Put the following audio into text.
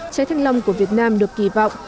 trái thanh long của việt nam được kỳ vọng